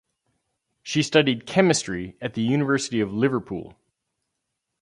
She studied Chemistry at the University of Liverpool.